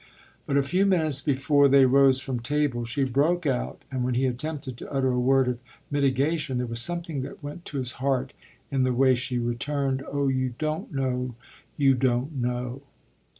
But a few minutes before they rose from table she broke out, and when he attempted to utter a word of mitigation there was something that went to his heart in the way she returned: "Oh you don't know you don't know!"